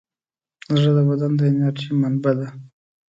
زړه د بدن د انرژۍ منبع ده.